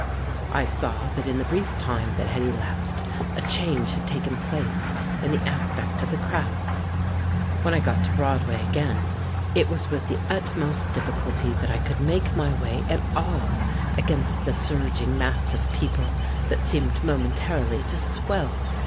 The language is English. I saw that in the brief time that had elapsed a change had taken place in the aspect of the crowds. When I got to Broadway again it was with the utmost difficulty that I could make my way at all against the surging mass of people that seemed momentarily to swell.